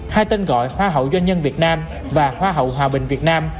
hai tên gọi hoa hậu doanh nhân việt nam và hoa hậu hòa bình việt nam